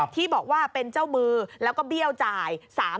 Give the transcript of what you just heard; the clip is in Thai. ที่บอกว่าเป็นเจ้ามือแล้วก็เบี้ยวจ่าย๓๐๐